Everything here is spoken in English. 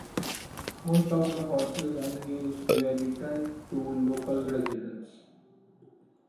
Most of the horses and mules were returned to local residents.